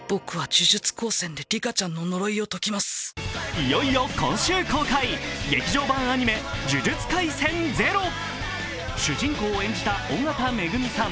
いよいよ今週公開劇場版アニメ「呪術廻戦０」主人公を演じた緒方恵美さん